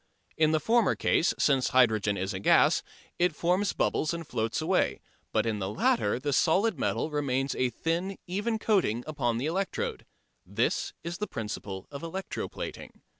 In the former case, since hydrogen is a gas, it forms bubbles and floats away, but in the latter the solid metal remains a thin, even coating upon the electrode. That is the principle of electro plating.